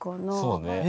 そうね。